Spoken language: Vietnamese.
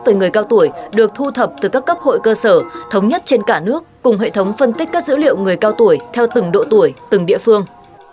về người cao tuổi được thu thập từ các cấp hội cơ sở thống nhất trên cả nước cùng hệ thống phân tích các dữ liệu người cao tuổi theo từng độ tuổi từng địa phương